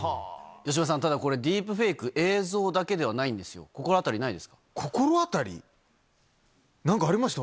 吉村さん、ただディープフェイク、映像だけではないんですよ、心当たりない心当たり？なんかありますか？